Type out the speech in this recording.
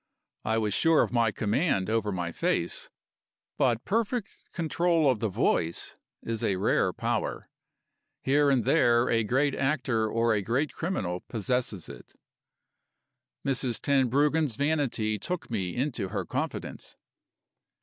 I was sure of my command over my face; but perfect control of the voice is a rare power. Here and there, a great actor or a great criminal possesses it. Mrs. Tenbruggen's vanity took me into her confidence.